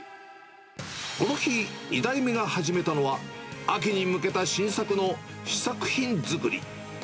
この日、２代目が始めたのは、秋に向けた新作の試作品作り。